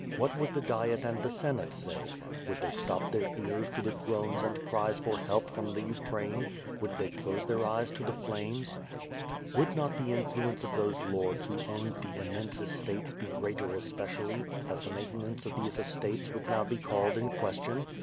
What would the Diet and the Senate say? Would they stop their ears to the groans and cries for help from the Ukraine? Would they close their eyes to the flames? Would not the influence of those lords who owned the im mense estates be greater especially as the maintenance of these estates would now be called in question